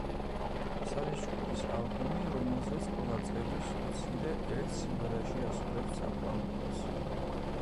ეს არის ჯგუფის ალბომი, რომელზეც ყველა წევრი სულ მცირე, ერთ სიმღერაში ასრულებს წამყვან ვოკალს.